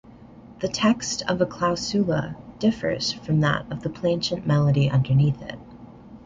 The text of a clausula differs from that of the plainchant melody underneath it.